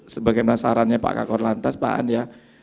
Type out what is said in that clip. sebagai penasaran pak kak kor lantas pak an ya